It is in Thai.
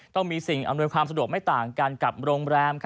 ต้องมีสิ่งอำนวยความสะดวกไม่ต่างกันกับโรงแรม